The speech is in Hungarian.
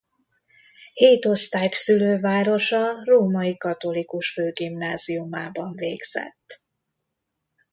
Hét osztályt szülővárosa Római Katolikus Főgimnáziumában végzett.